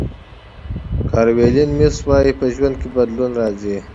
کارولین میس وایي په ژوند کې بدلون راځي.